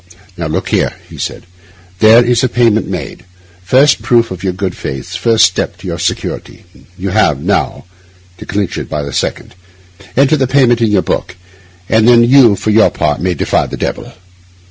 'Now, look here,' he said, 'there is the payment made—first proof of your good faith: first step to your security. You have now to clinch it by a second. Enter the payment in your book, and then you for your part may defy the devil.